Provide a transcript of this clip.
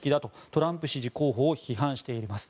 トランプ支持候補を非難しています。